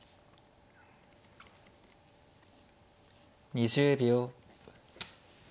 ２０秒。